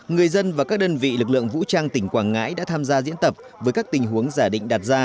người dân và các đơn vị lực lượng vũ trang tỉnh quảng ngãi đã tham gia diễn tập với các tình huống giả định đặt ra